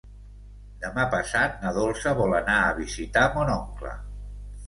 Demà passat na Dolça vol anar a visitar mon oncle.